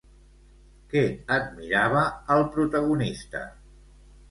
Què admirava al protagonista?